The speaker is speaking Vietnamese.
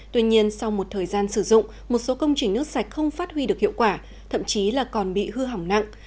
tuy nhiên sau một thời gian sử dụng một số công trình nước sạch không phát huy được hiệu quả thậm chí là còn bị hư hỏng nặng